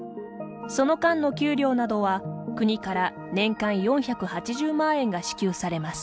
その間の給与などは、国から年間４８０万円が支給されます。